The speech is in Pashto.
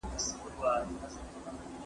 د جرګې پرېکړي څوک عملي کوي؟